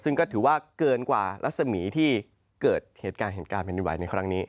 ซึ่งก็ถือว่าเกินกว่ารัศมีที่เกิดเหตุการณ์เหตุการณ์แผ่นดินไหวในครั้งนี้